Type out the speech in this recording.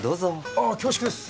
ああ恐縮です！